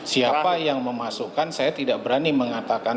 siapa yang memasukkan saya tidak berani mengatakan